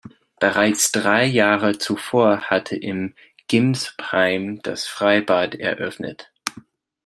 Bereits drei Jahre zuvor hatte in Gimbsheim das Freibad eröffnet.